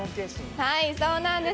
はい、そうなんです。